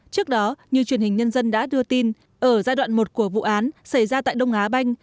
trước đó như truyền hình nhân dân đã đưa tin ở giai đoạn một của vụ án xảy ra tại đông á banh